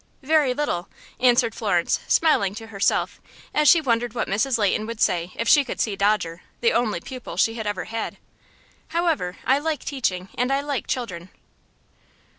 "Very little," answered Florence, smiling to herself, as she wondered what Mrs. Leighton would say if she could see Dodger, the only pupil she ever had. "However, I like teaching, and I like children."